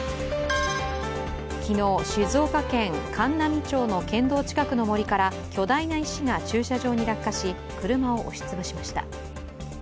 昨日、静岡県函南町の県道近くの森から巨大な石が駐車場に落下し車を押し潰しました。